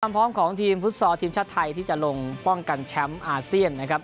พร้อมของทีมฟุตซอลทีมชาติไทยที่จะลงป้องกันแชมป์อาเซียนนะครับ